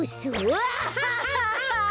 ワハハハハッ！